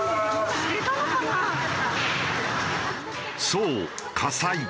そう火災。